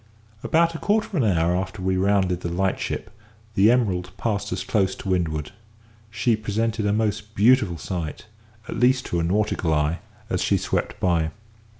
About a quarter of an hour after we rounded the light ship, the Emerald passed us close to windward. She presented a most beautiful sight, at least to a nautical eye, as she swept by.